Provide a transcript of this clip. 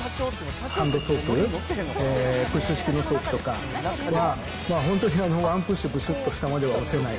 ハンドソープ、プッシュ式のソープとかは、本当にワンプッシュ下までは押せない。